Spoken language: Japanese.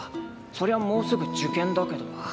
そりゃもうすぐ受験だけど。